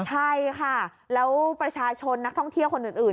ใช่ค่ะแล้วประชาชนนักท่องเที่ยวคนอื่น